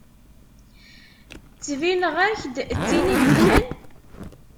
Ttbineɣ-ak-d d tin ihennan?